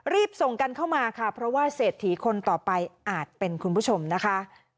รีบส่งกันเข้ามาค่ะเพราะว่าเศรษฐีคนต่อไปอาจเป็นคุณผู้ชมนะคะ